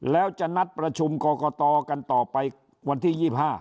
แล้วจะนัดประชุมกรกตกันต่อไปวันที่๒๕